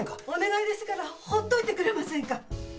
お願いですから放っておいてくれませんか！